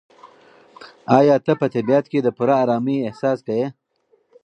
ایا ته په طبیعت کې د پوره ارامۍ احساس کوې؟